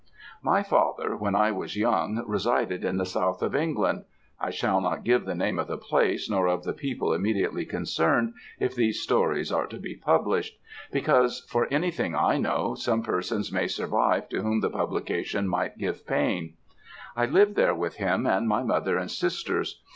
"My father, when I was young, resided in the South of England I shall not give the name of the place, nor of the people immediately concerned, if these stories are to be published; because, for anything I know, some persons may survive to whom the publication might give pain; I lived there with him and my mother and sisters.